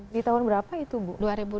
di tahun berapa itu ibu